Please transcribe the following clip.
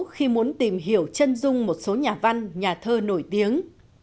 khi muốn tìm hiểu chân dung một số nhà văn nhà thơ nổi tiếng